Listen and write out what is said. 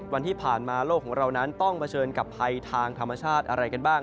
วันที่ผ่านมาโลกของเรานั้นต้องเผชิญกับภัยทางธรรมชาติอะไรกันบ้าง